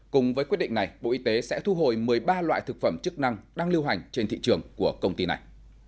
cùng với quyết định này bộ y tế sẽ thu hồi một mươi ba loại thực phẩm chức năng đang lưu hành trên thị trường của công ty này